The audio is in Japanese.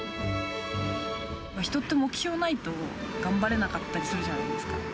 人って目標ないと頑張れなかったりするじゃないですか。